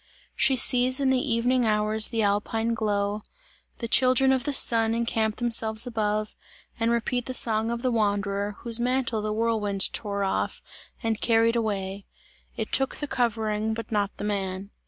She sees in the evening hours the alpine glow the children of the Sun encamp themselves above, and repeat the song of the wanderer, whose mantle the whirlwind tore off, and carried away: "it took the covering but not the man."